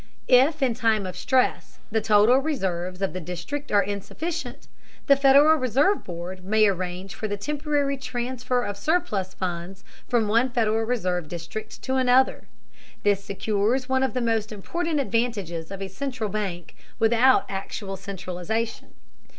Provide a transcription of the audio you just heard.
If in time of stress the total reserves of the district are insufficient, the Federal Reserve Board may arrange for the temporary transfer of surplus funds from one Federal Reserve district to another. This secures one of the most important advantages of a central bank without actual centralization.